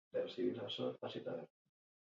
Ligako talde hoberena da.